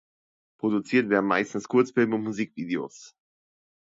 Produziert werden meistens Kurzfilme und Musikvideos.